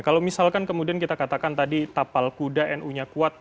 kalau misalkan kemudian kita katakan tadi tapal kuda nu nya kuat